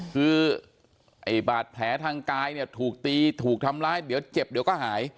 คือไอ้บาดแผลทางกายเนี่ยถูกตีถูกทำร้ายเดี๋ยวเจ็บเดี๋ยวก็หาย